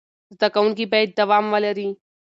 زده کوونکي باید دوام ولري.